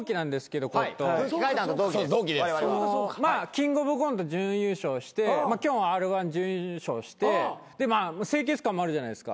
キングオブコント準優勝してきょんはＲ−１準優勝してでまあ清潔感もあるじゃないですか。